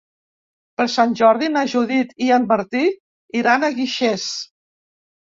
Per Sant Jordi na Judit i en Martí iran a Guixers.